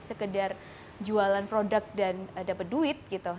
bukan cuma sekedar jualan produk dan dapat duit gitu